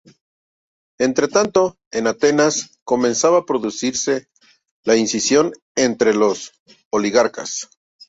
Entretanto, en Atenas comenzaba a producirse la escisión entre los oligarcas.